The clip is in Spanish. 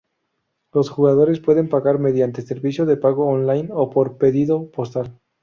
Los jugadores pueden pagar mediante servicios de pago online o por pedido postal.